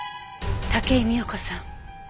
武井美代子さん